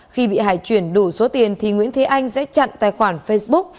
khi bị hại chuyển đủ số tiền thì nguyễn thế anh sẽ chặn tài khoản facebook